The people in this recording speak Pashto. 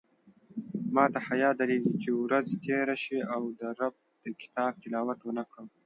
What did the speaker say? ماته حیاء درېږې چې ورځ تېره شي او د رب د کتاب تلاوت ونکړم